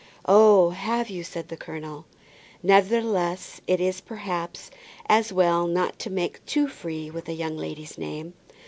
"Oh, have you?" said the colonel. "Nevertheless it is, perhaps, as well not to make too free with a young lady's name.